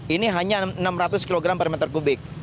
ini hanya enam ratus kg per meter kubik